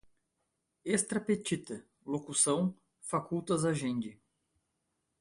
extra petita, locução, facultas agendi